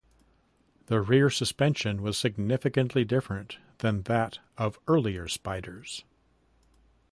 The rear suspension was significantly different than that of earlier Spyders.